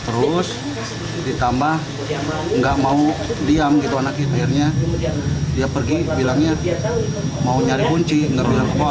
ternyata nggak ada yang ada sekarang